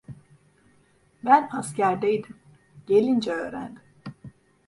Ben askerdeydim, gelince öğrendim…